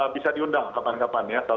bisa diundang kapan kapan ya